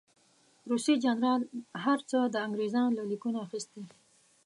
روسي جنرال هر څه د انګرېزانو له لیکنو اخیستي.